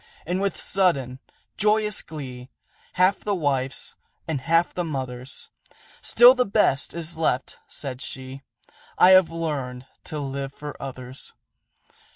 And with sudden, joyous glee, Half the wife's and half the mother's, "Still the best is left," said she: "I have learned to live for others."